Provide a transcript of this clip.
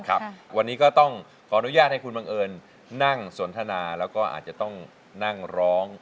วันนี้ก็ต้องขออนุญาตให้คุณบังเอิญนั่งสนทนาแล้วก็อาจจะต้องนั่งร้อง